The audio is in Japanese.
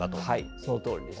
そのとおりです。